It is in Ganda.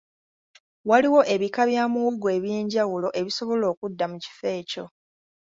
Waliwo ebika bya muwogo eby'enjawulo ebisobola okudda mu kifo ekyo